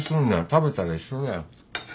食べたら一緒だよ。